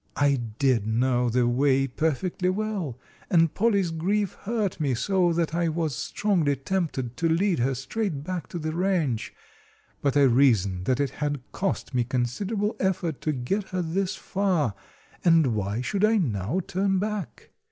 I did know the way perfectly well, and Polly's grief hurt me so that I was strongly tempted to lead her straight back to the ranch; but I reasoned that it had cost me considerable effort to get her this far, and why should I now turn back?